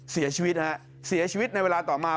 เสียชีวิตฮะเสียชีวิตในเวลาต่อมา